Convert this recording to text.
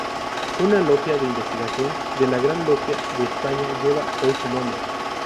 Una logia de investigación de la Gran Logia de España lleva hoy su nombre.